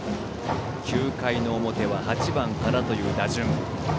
９回の表は８番からという打順。